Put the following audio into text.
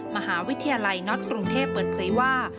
มหาวิทยาลัยน็อตกรุงเทพเปิดเผยว่า